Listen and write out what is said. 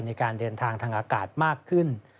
ในการเดินทางทางอากาศมากขึ้น